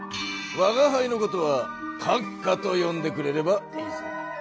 わがはいのことは「閣下」とよんでくれればいいぞ。